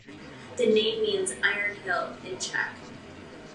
The name means "iron hill" in Czech.